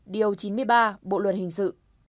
điều chín mươi ba bộ luật hình sự